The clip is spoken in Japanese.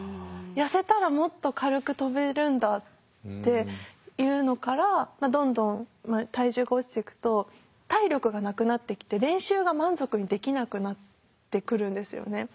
痩せたらもっと軽く跳べるんだっていうのからどんどん体重が落ちていくと体力がなくなってきて練習が満足にできなくなってくるんですよね。